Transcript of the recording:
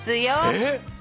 えっ？